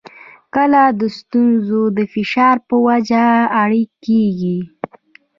کله د ستونزو د فشار په وجه اړ کېږي.